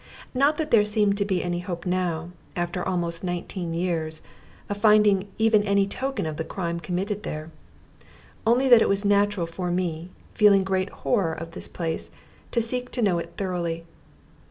Not that there seemed to be any hope now, after almost nineteen years, of finding even any token of the crime committed there. Only that it was natural for me, feeling great horror of this place, to seek to know it thoroughly.